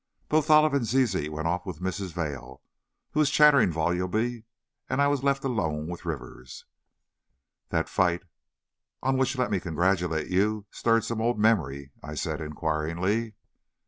Both Olive and Zizi went off with Mrs. Vail, who was chattering volubly, and I was left alone with Rivers. "The fight, on which let me congratulate you, stirred some old memory?" I said, inquiringly.